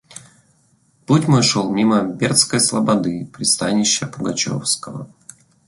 Путь мой шел мимо Бердской слободы, пристанища пугачевского.